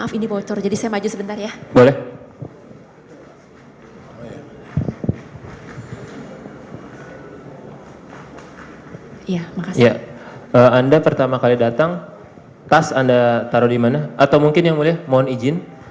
atau mungkin yang mulia mohon izin